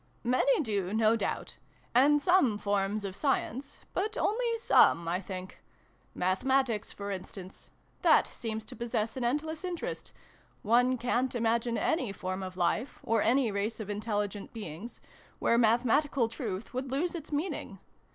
" Many do, no doubt. And some forms of Science ; but only some, I think. Mathematics, for instance : that seems to possess an endless interest : one ca'n't imagine any form of Life, or any race of intelligent beings, where Mathe matical truth would lose its meaning.